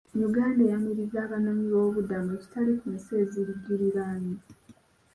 Uganda eyaniriza abanoonyi boobubudamu ekitali ku nsi ezigiriraanye.